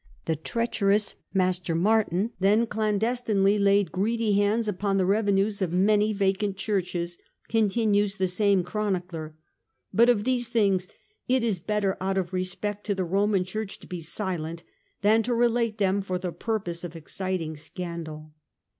" The treacherous Master Martin then clandestinely laid greedy hands upon the revenues of many vacant churches," continues the same chronicler :" but of these things it is better, out of respect to the Roman Church, to be silent, than to relate them for the purpose of exciting scandal."